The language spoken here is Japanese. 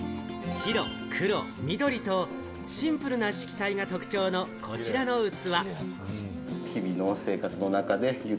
白・黒・緑とシンプルな色彩が特徴のこちらの器。